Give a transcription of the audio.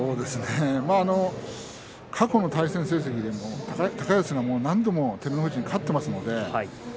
過去の対戦成績を見ますと高安が何度も照ノ富士に勝っています。